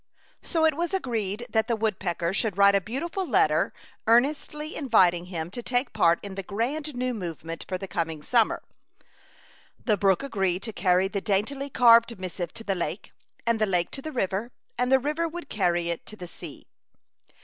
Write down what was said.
So it was agreed that the wood pecker should write a beautiful let A Chautauqua Idyl. 73 ter, earnestly inviting him to take part in the grand new movement for the coming summer. The brook agreed to carry the daintily carved missive to the lake, and the lake to the river, and the river would carry it to the sea.